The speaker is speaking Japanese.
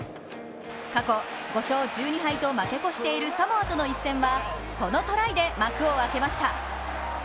過去、５勝１２敗と負け越しているサモアとの一戦は、このトライで幕を開けました。